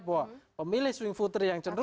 bahwa pemilih swing footer yang cantik